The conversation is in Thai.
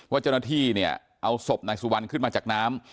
เจ้าหน้าที่เนี่ยเอาศพนายสุวรรณขึ้นมาจากน้ำ